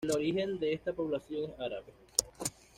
El origen de esta población es árabe.